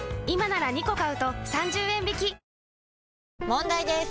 問題です！